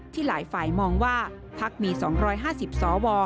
หลายฝ่ายมองว่าพักมี๒๕๐สว